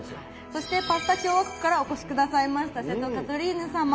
そしてパスタ共和国からお越し下さいました瀬戸カトリーヌ様。